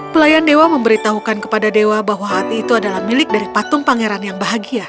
pelayan dewa memberitahukan kepada dewa bahwa hati itu adalah milik dari patung pangeran yang bahagia